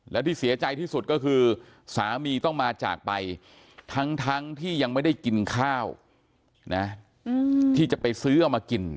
และที่เสียใจที่สุดก็คือสามีต้องมาจากไปทั้งที่ยังไม่ได้กินข้าวนะที่จะไปซื้อเอามากิน